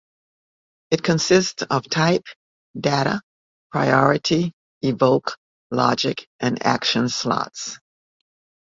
It consists of type, data, priority, evoke, logic and action slots.